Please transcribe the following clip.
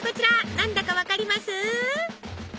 何だか分かります？